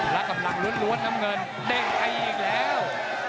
แล้วกำลังล้วนน้ำเงินเตรียมใกล้อีกแล้ว